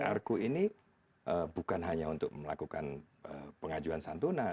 j arku ini bukan hanya untuk melakukan pengajuan santunan